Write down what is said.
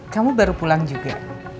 kamu baru pulang juga